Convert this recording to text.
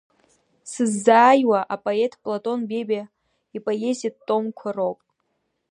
Сыззааиуа апоет Платон Бебиа ипоезиатә томқәа роуп.